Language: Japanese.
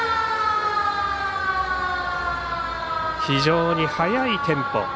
非常に速いテンポ。